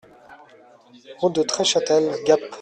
Route de Treschâtel, Gap